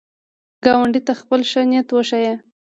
ګاونډي ته خپل ښه نیت وښیه